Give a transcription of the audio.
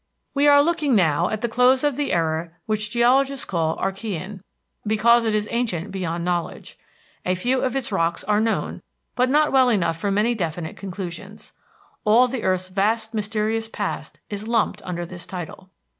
We are looking now at the close of the era which geologists call Archean, because it is ancient beyond knowledge. A few of its rocks are known, but not well enough for many definite conclusions. All the earth's vast mysterious past is lumped under this title.